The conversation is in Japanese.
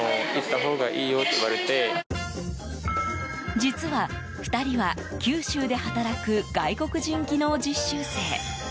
実は、２人は九州で働く外国人技能実習生。